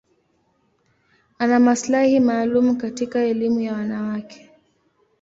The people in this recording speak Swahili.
Ana maslahi maalum katika elimu ya wanawake.